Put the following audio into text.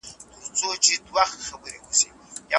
یو بې تجربې سړی د مقابل لوري په وړاندې کمزوری وي.